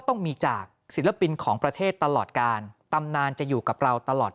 ต้องมีจากศิลปินของประเทศตลอดการตำนานจะอยู่กับเราตลอด